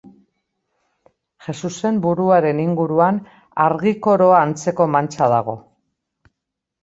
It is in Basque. Jesusen buruaren inguruan argi koroa antzeko mantxa dago.